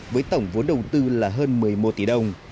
với tổng vốn đầu tư là hơn một mươi một tỷ đồng